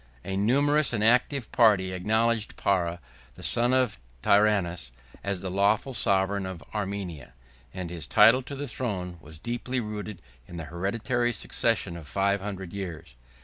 A numerous and active party acknowledged Para, the son of Tiranus, as the lawful sovereign of Armenia, and his title to the throne was deeply rooted in the hereditary succession of five hundred years.